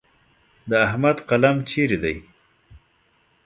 د احمد قلم چیرې دی؟